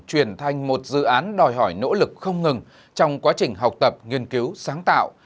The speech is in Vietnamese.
truyền thành một dự án đòi hỏi nỗ lực không ngừng trong quá trình học tập nghiên cứu sáng tạo